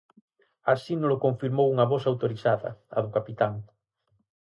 Así nolo confirmou unha voz autorizada, a do capitán.